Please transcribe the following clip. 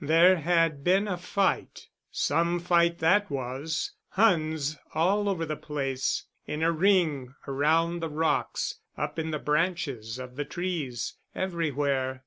There had been a fight. Some fight that was. Huns all over the place—in a ring around the rocks, up in the branches of the trees—everywhere.